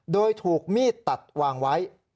โดยถูกมีดตัดวางไว้